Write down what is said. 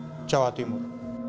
surabaya jawa timur